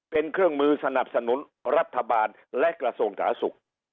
เป็นเครื่องมือสนับสนุนรัฐบาลและกระทรวงสาธารณสุข